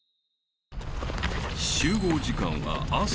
［集合時間は］